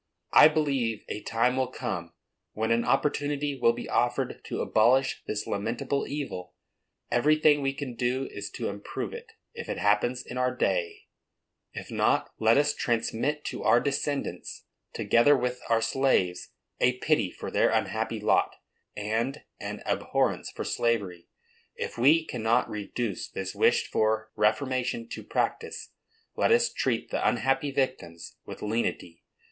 I believe a time will come when an opportunity will be offered to abolish this lamentable evil. Everything we can do is to improve it, if it happens in our day; if not, let us transmit to our descendants, together with our slaves, a pity for their unhappy lot, and an abhorrence for slavery. If we cannot reduce this wished for reformation to practice, let us treat the unhappy victims with lenity.